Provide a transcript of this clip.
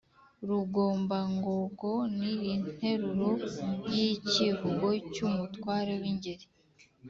rugombangogo ni interuro y’ikivugo cy’umutware w’ingeri